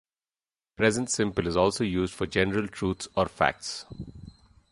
Present Simple is also used for general truths or facts.